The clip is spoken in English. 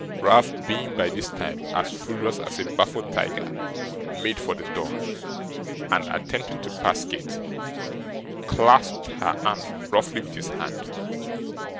Ralph being, by this time, as furious as a baffled tiger, made for the door, and, attempting to pass Kate, clasped her arm roughly with his hand.